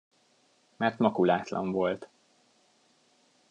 Mert makulátlan volt.